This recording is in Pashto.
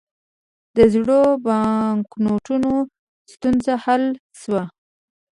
د زړو بانکنوټونو ستونزه حل شوه؟